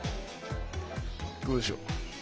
どうでしょう？